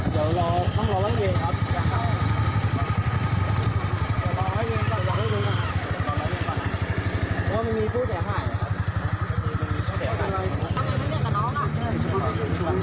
เดี๋ยวเราต้องรอละด้วยนะครับ